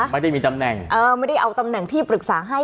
ไม่ได้มีตำแหน่งเออไม่ได้เอาตำแหน่งที่ปรึกษาให้